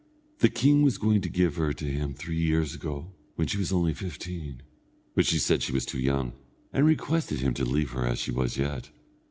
The king was going to give her to him three years ago, when she was only fifteen, but she said she was too young, and requested him to leave her as she was yet.